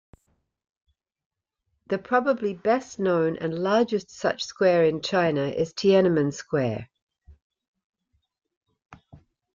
The probably best-known and largest such square in China is Tienanmen Square.